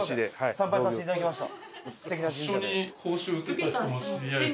参拝させていただきました。